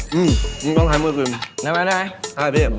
หืมยังต้องถามมือปีมเหม็นไ้ไหม